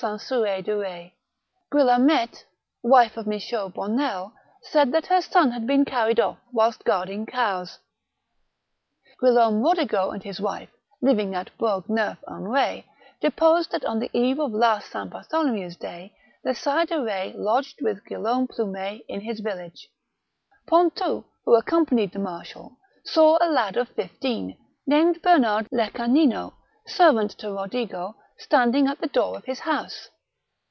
Cir6 de Betz. Guillemette, wife of Michaut Bonnel, said that her son had been carried off whilst guarding cows. Guillaume Eodigo and his wife, living at Bourg neuf en Eetz, deposed that on the eve of last S. Bartho lomew's day, the Sire de Retz lodged with Guillaume Plumet in his village. Pontou, who accompanied the marshal, saw a lad of fifteen, named Bernard Lecanino, servant to Rodigo, standing at the door of his house.